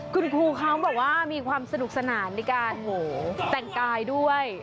คุณครูเขาบอกว่ามีความสนุกสนานในการแต่งกายด้วย